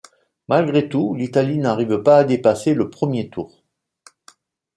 Malgré tout, l'Italie n'arrive pas à dépasser le premier tour.